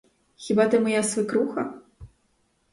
Хіба ти моя свекруха?